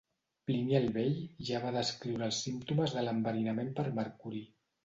Plini el Vell ja va descriure els símptomes de l'enverinament per mercuri.